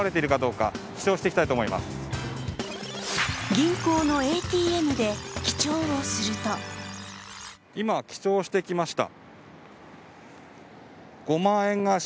銀行のＡＴＭで記帳をすると今、記帳してきました。